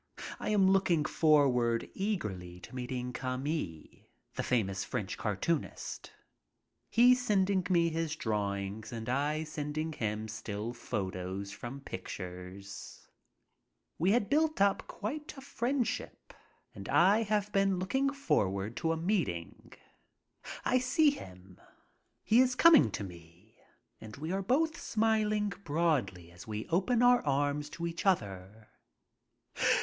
I am looking forward eagerly to meeting Cami, the famous French cartoonist. We have been corresponding for several years, he sending me many drawings and I sending him still photos from pictures. We had built up quite a friendship and I have been looking forward to a meeting. I see him. io6 MY TRIP ABROAD He is coming to me and we are both smiling broadly as we open our arms to each other.